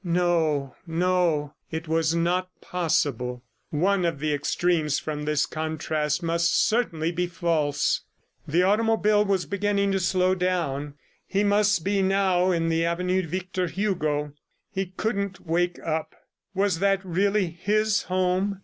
No; no, it was not possible. One of the extremes of this contrast must certainly be false! The automobile was beginning to slow down; he must be now in the avenue Victor Hugo. ... He couldn't wake up. Was that really his home?